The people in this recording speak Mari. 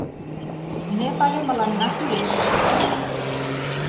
— Нэп але мыланна кӱлеш.